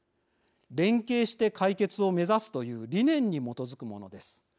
連携して、解決を目指すという理念に基づくものです。